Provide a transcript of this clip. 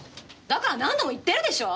だから何度も言ってるでしょ！